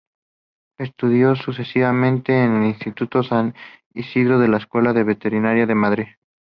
Estudió sucesivamente en el Instituto San Isidro y la Escuela de Veterinaria de Madrid.